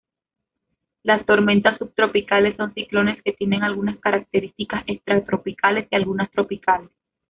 Las tormentas subtropicales son ciclones que tienen algunas características extratropicales y algunas tropicales.